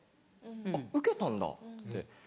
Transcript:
「あっ受けたんだ」っつって。